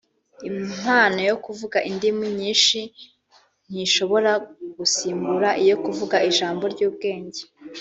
Impano yo kuvuga indimi nyinshi ntishobora gusimbura iyo kuvuga ijambo ry’ubwenge